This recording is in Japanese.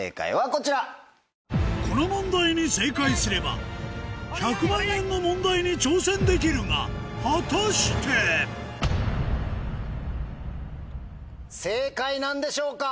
この問題に正解すれば１００万円の問題に挑戦できるが果たして⁉正解なんでしょうか？